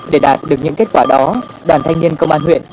để đạt được những kết quả đó đoàn thanh niên công an huyện